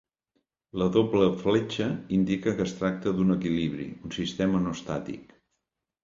La doble fletxa indica que es tracta d'un equilibri, un sistema no estàtic.